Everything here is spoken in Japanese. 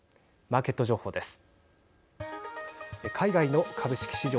マーケット情報です。